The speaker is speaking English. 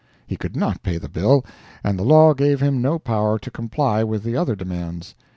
He could not pay the bill, and the law gave him no power to comply with the other demands.